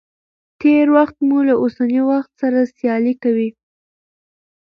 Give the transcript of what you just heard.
تېر وخت مو له اوسني وخت سره سيالي کوي.